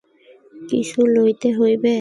কিছু লইতেই হইবে।